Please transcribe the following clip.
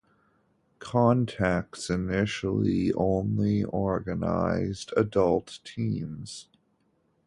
Contax initially only organized adult teams.